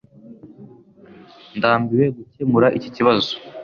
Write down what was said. Ndambiwe gukemura iki kibazo